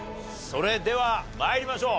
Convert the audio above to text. それでは参りましょう。